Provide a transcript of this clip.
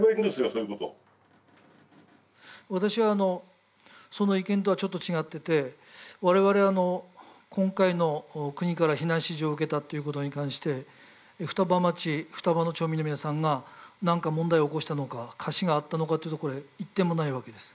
そういうこと私はその意見とはちょっと違ってて我々今回の国から避難指示を受けたということに関して双葉町双葉の町民の皆さんが何か問題を起こしたのか瑕疵があったのかというとこれ一点もないわけです